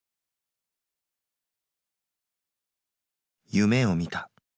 「夢を見た。